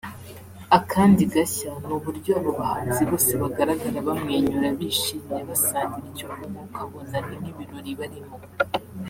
Akandi gashya ni uburyo aba bahanzi bose bagaragara bamwenyura bishimye basangira icyo kunywa ukabona ni nk’ibirori barimo